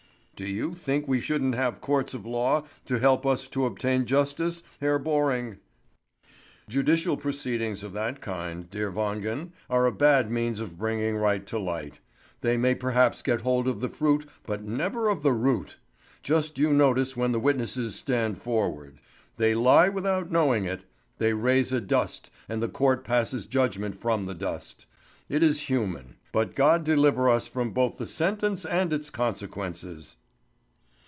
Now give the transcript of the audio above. "Do you think we shouldn't have courts of law to help us to obtain justice, Hr. Borring?" "Judicial proceedings of that kind, dear Wangen, are a bad means of bringing right to light. They may perhaps get hold of the fruit but never of the root. Just you notice when the witnesses stand forward. They lie without knowing it; they raise a dust, and the court passes judgment from the dust. It is human; but God deliver us both from the sentence and its consequences!"